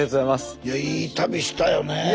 いやいい旅したよね。